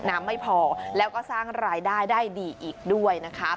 ไม่พอแล้วก็สร้างรายได้ได้ดีอีกด้วยนะคะ